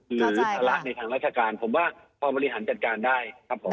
หรือภาระในฐานวจการผมว่าพอบริหารจัดการได้